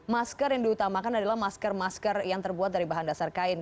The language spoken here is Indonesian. masker yang diutamakan adalah masker masker yang terbuat dari bahan dasar kain